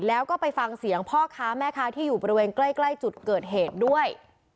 แล้วก็ไปฟังเสียงพ่อค้าแม่ค้าที่อยู่บริเวณใกล้จุดเกิดเหตุด้วย